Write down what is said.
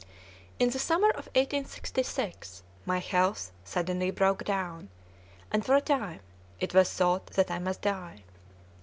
In the summer of 1866 my health suddenly broke down, and for a time, it was thought that I must die.